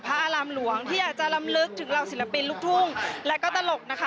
อารามหลวงที่อยากจะลำลึกถึงเหล่าศิลปินลูกทุ่งและก็ตลกนะคะ